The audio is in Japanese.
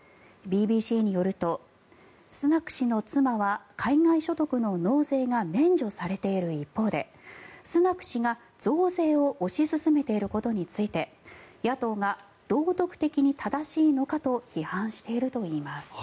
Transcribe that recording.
ＢＢＣによるとスナク氏の妻は海外所得の納税が免除されている一方でスナク氏が増税を推し進めていることについて野党が、道徳的に正しいのかと批判しているといいます。